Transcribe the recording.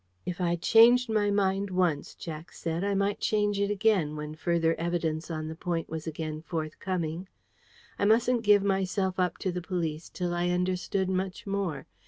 If I'd changed my mind once, Jack said, I might change it again, when further evidence on the point was again forthcoming. I mustn't give myself up to the police till I understood much more.